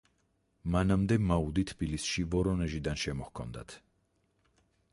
მანამდე მაუდი თბილისში ვორონეჟიდან შემოჰქონდათ.